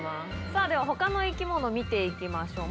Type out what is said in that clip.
さあ、ではほかの生き物、見ていきましょう。